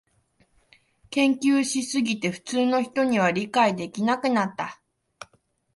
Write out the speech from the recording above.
研究しすぎて普通の人には理解できなくなった